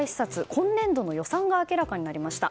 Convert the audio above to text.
今年度の予算が明らかになりました。